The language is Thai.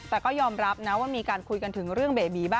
แต่ก็ยอมรับนะว่ามีการคุยกันถึงเรื่องเบบีบ้าง